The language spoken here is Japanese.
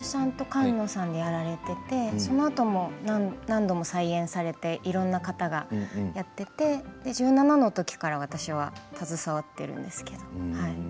しのぶさんと菅野さんがやられていて、そのあとも何度も再演されていろんな方がやっていて１７のときから私は携わっているんですけど。